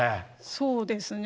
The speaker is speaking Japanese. そうですね。